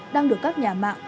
đang được các nhà mạng